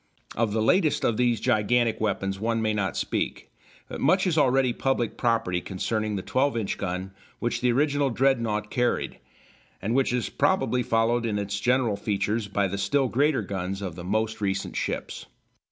Of the latest of these gigantic weapons one may not speak, but much is already public property concerning the 12 inch gun which the original Dreadnought carried, and which is probably followed in its general features by the still greater guns of the most recent ships.